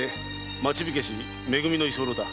町火消しのめ組の居候だ。